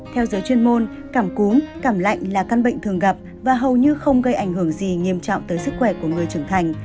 theo giới chuyên môn cảm cúm cảm lạnh là căn bệnh thường gặp và hầu như không gây ảnh hưởng gì nghiêm trọng tới sức khỏe của người trưởng thành